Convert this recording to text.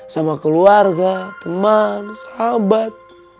sama keluarga teman sahabat